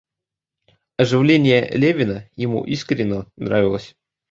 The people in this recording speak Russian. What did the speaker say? Оживление Левина ему искренно нравилось.